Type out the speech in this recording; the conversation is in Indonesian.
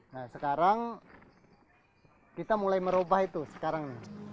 nah sekarang kita mulai merubah itu sekarang